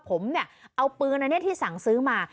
ผมเนี่ยเอาปืนอันนี้ที่สั่งซื้อมา